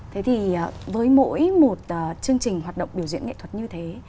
thế thì với mỗi một chương trình hoạt động biểu diễn nghệ thuật như thế